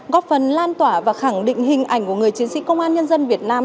góp phần lan tỏa và khẳng định hình ảnh của người chiến sĩ công an nhân dân việt nam